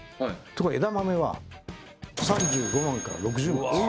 ところが枝豆は３５万から６０万です